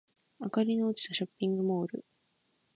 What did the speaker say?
明かりの落ちたショッピングモール